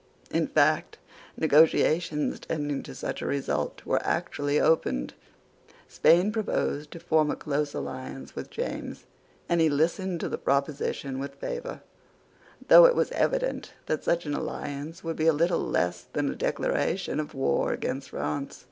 In fact, negotiations tending to such a result were actually opened. Spain proposed to form a close alliance with James; and he listened to the proposition with favour, though it was evident that such an alliance would be little less than a declaration of war against France.